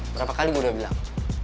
berapa kali gue udah bilang